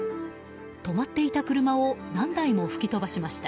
止まっていた車を何台も吹き飛ばしました。